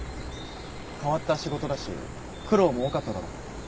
変わった仕事だし苦労も多かっただろ。